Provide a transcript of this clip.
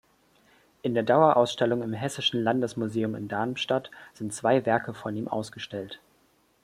In der Dauerausstellung im Hessischen Landesmuseum in Darmstadt sind zwei Werke von ihm ausgestellt.